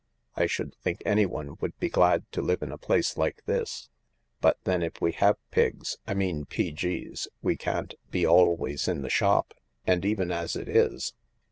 I should think anyone would be glad to live in a place like this. But then if we have Pigs^ I mean P.G.'s— we can't be always in the shop, and even as it is